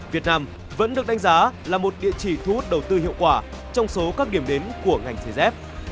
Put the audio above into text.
việt nam vẫn được đánh giá là một địa chỉ thu hút đầu tư hiệu quả trong số các điểm đến của ngành giày dép